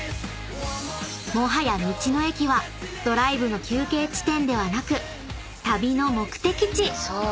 ［もはや道の駅はドライブの休憩地点ではなく旅の目的地］